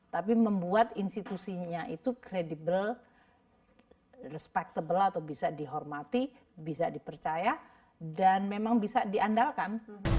tapi membuat institusinya itu credibel respectable atau bisa dihormati bisa dipercaya dan memang bisa diandalkan